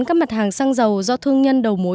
các mặt hàng xăng dầu do thương nhân đầu mối